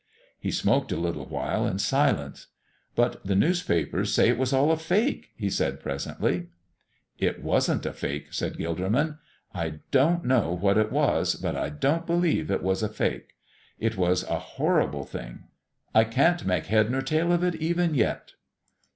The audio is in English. He smoked a little while in silence. "But the newspapers say it was all a fake," he said, presently. "It wasn't a fake," said Gilderman. "I don't know what it was, but I don't believe it was a fake. It was a horrible thing. I can't make head nor tail of it even yet."